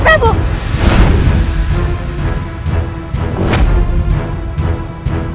bekerja tanpa pandangan